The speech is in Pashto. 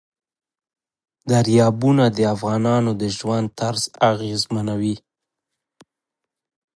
دریابونه د افغانانو د ژوند طرز اغېزمنوي.